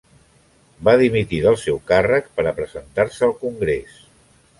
Va dimitir del seu càrrec per a presentar-se al Congrés.